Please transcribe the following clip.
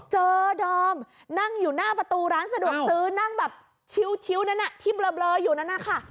เจอดอมนั่งอยู่หน้าประตูร้านสะดวกซื้อนั่งแบบชิ้วนั่นน่ะทิ้งเบลออยู่นั่นค่ะ